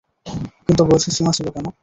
কিন্তু বয়সের সীমা ছিল কেন?